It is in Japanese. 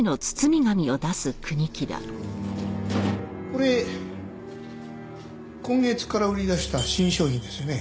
これ今月から売り出した新商品ですよね？